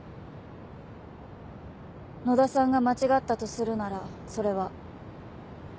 野田さんが間違ったとするならそれは。